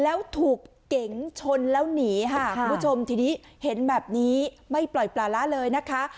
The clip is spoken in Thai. แล้วถูกเก๋งชนแล้วหนีค่ะคุณผู้ชมทีนี้เห็นแบบนี้ไม่ปล่อยปลาละเลยนะคะ